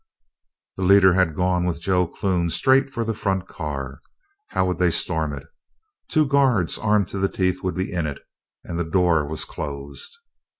The leader had gone with Joe Clune straight for the front car. How would they storm it? Two guards, armed to the teeth, would be in it, and the door was closed.